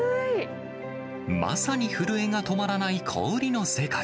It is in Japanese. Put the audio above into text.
まさに震えが止まらない氷の世界。